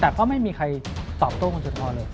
แต่ไม่มีใครตอบโตคนจัดพรเลย